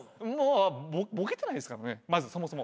ボケてないですからねまずそもそも。